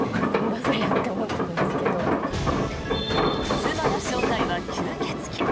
妻の正体は吸血鬼。